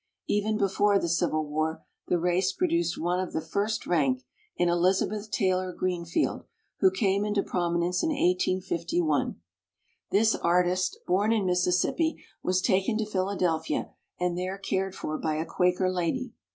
Even before the Civil War the race produced one of the first rank in Elizabeth Taylor Green field, who came into prominence in 1851. This artist, born in Mississippi, was taken to Philadelphia and there cared for by a Quaker lady.